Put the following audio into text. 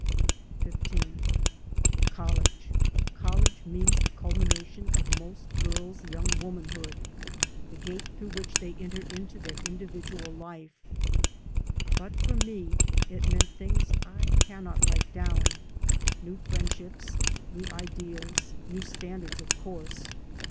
[ii6] 3 by Google XY COLLEGE 1 College means the culmi nation of most girls' young woman hood, the gate through which they enter into their individual life. But for me it meant things I cannot write down : new friendships, new ideals, new standards, of course.